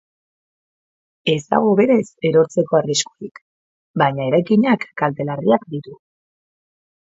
Ez dago berez erortzeko arriskurik, baina eraikinak kalte larriak ditu.